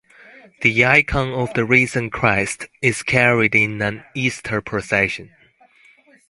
The icon of the "Risen Christ" is carried in an Easter procession.